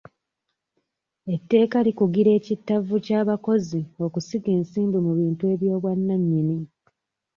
Etteeka likugira ekittavvu ky'abakozi okusiga ensimbi mu bintu eby'obwannannyini.